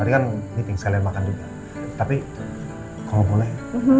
tapi kalau boleh